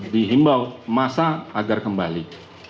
dihimbau masa agar kembali